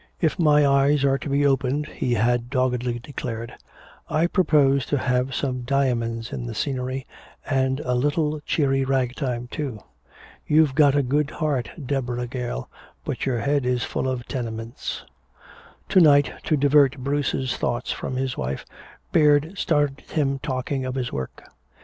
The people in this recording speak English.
"If my eyes are to be opened," he had doggedly declared, "I propose to have some diamonds in the scenery, and a little cheery ragtime, too. You've got a good heart, Deborah Gale, but your head is full of tenements." To night to divert Bruce's thoughts from his wife, Baird started him talking of his work.